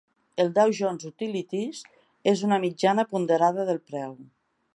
El Dow Jones Utilities és una mitjana ponderada del preu.